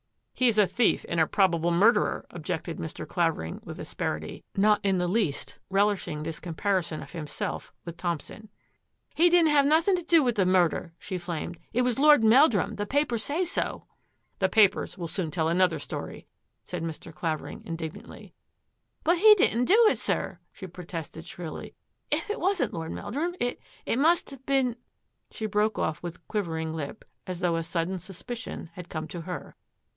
" He is a thief and a probable murderer," objected Mr. Clavering with asperity, not in the least relishing this comparison of himself with Thompson. " He didn't have nothing to do with the mur der !" she flamed. " It was Lord Meldrum ; the papers say so.'* " The papers will soon tell another story," said Mr. Clavering indignantly. " But he didn't do it, sir," she protested shrilly. "If it wasn't Lord Meldrum, it — it must have been —" she broke off with quivering lip, as though a sudden suspicion had come to her.